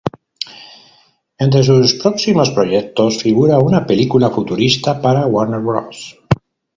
Entre sus próximos proyectos figura una película futurista para Warner Bros.